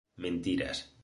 Mentiras